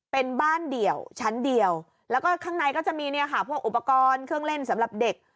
เป็นบ้านเดี่ยวชั้นเดียวแล้วก็ข้างในก็จะมีเนี่ยค่ะพวกอุปกรณ์เครื่องเล่นสำหรับเด็ก